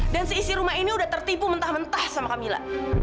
dan si isi rumah ini udah tertipu mentah mentah sama kak mila